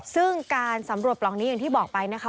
ซึ่งการสำรวจปล่องนี้อย่างที่บอกไปนะคะ